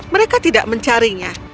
mereka tidak mencarinya